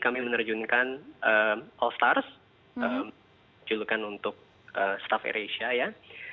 kami menerjunkan all stars julukan untuk staff air asia ya